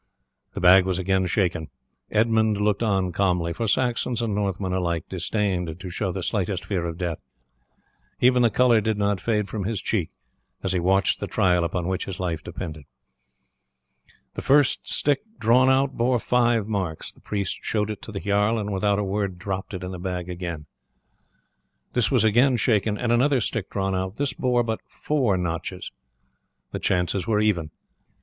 The bag was again shaken. Edmund looked on calmly, for Saxons and Northmen alike disdained to show the slightest fear of death; even the colour did not fade from his cheek as he watched the trial upon which his life depended. The first stick drawn out bore five marks; the priest showed it to the jarl, and without a word dropped it in the bag again. This was again shaken and another stick drawn out; this bore but four notches; the chances were even.